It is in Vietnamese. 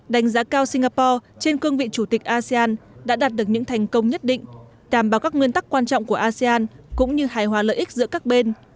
đánh giá cao singapore trên cương vị chủ tịch asean đã đạt được những thành công nhất định đảm bảo các nguyên tắc quan trọng của asean cũng như hài hòa lợi ích giữa các bên